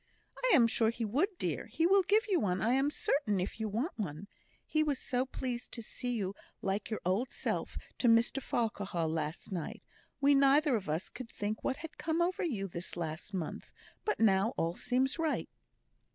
"I am sure he would, dear; he will give you one, I am certain, if you want one. He was so pleased to see you like your old self to Mr Farquhar last night. We neither of us could think what had come over you this last month; but now all seems right."